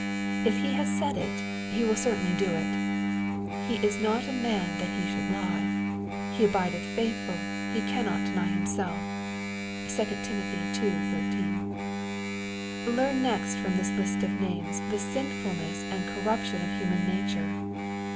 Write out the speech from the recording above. If He has said it. He will certainly do it. " He is not a man that He should lie." " He abideth faith ful : He can not deny Himself.'* (2 Tim. ii. 13.) Learn next from this list of names the sinfulness and corruption of human nature.